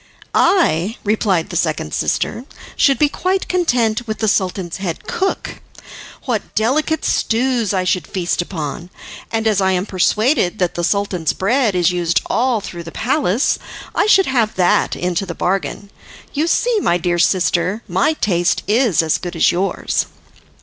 "I," replied the second sister, "should be quite content with the Sultan's head cook. What delicate stews I should feast upon! And, as I am persuaded that the Sultan's bread is used all through the palace, I should have that into the bargain. You see, my dear sister, my taste is as good as yours."